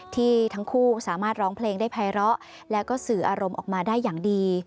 ที่ทั้งคู่สามารถร้องเพลงได้ภัยร้อแล้วก็สื่ออารมณ์ออกมาได้อย่างดี